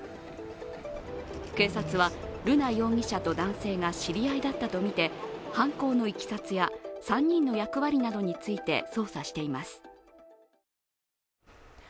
警察は瑠奈容疑者と男性が知り合いだったとみて犯行のいきさつや３人の役割などについて捜査しています。